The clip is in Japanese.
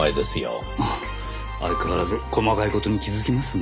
相変わらず細かい事に気づきますね。